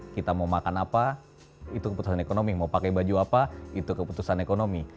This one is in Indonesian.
kita mau makan apa itu keputusan ekonomi mau pakai baju apa itu keputusan ekonomi